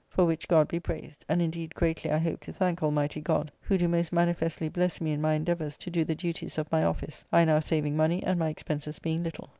for which God be praised; and indeed greatly I hope to thank Almighty God, who do most manifestly bless me in my endeavours to do the duties of my office, I now saving money, and my expenses being little.